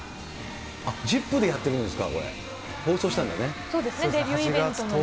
ＺＩＰ！でやってるんですか。